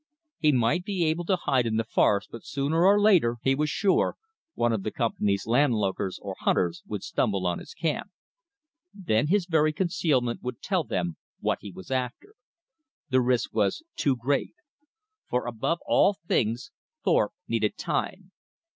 He might be able to hide in the forest, but sooner or later, he was sure, one of the company's landlookers or hunters would stumble on his camp. Then his very concealment would tell them what he was after. The risk was too great. For above all things Thorpe needed time.